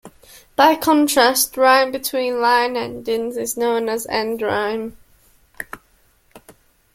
By contrast, rhyme between line endings is known as end rhyme.